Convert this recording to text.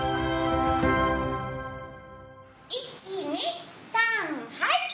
１２３はい！